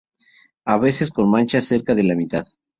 A veces con manchas cerca de la mitad.